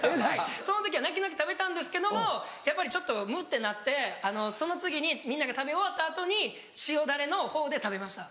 その時は泣く泣く食べたんですけどもやっぱりちょっとムッてなってその次にみんなが食べ終わった後に塩ダレのほうで食べました。